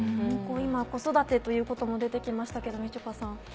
今子育てということも出て来ましたけどみちょぱさん。